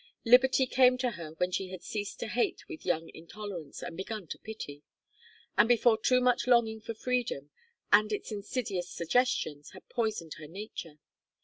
Liberty came to her when she had ceased to hate with young intolerance and begun to pity; and before too much longing for freedom, and its insidious suggestions, had poisoned her nature.